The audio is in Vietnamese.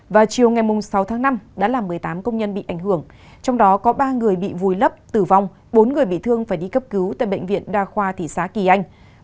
vào chiều ngày sáu tháng năm đã làm một mươi tám công nhân bị ảnh hưởng trong đó có ba người bị vùi lấp tử vong bốn người bị thương phải đi cấp cứu tại bệnh viện đa khoa thị xã kỳ anh